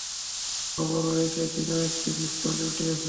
খবর রয়েছে, চিনো একটি পিস্তল জুটিয়েছে।